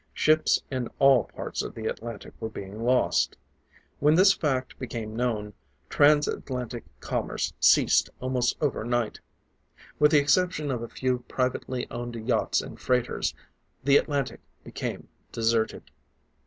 Ships in all parts of the Atlantic were being lost. When this fact became known, trans Atlantic commerce ceased almost over night. With the exception of a few privately owned yachts and freighters, the Atlantic became deserted.